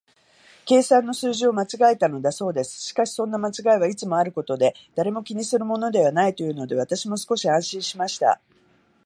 計算の数字を間違えたのだそうです。しかし、そんな間違いはいつもあることで、誰も気にするものはないというので、私も少し安心しました。